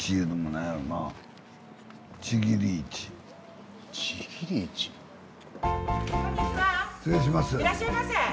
いらっしゃいませ！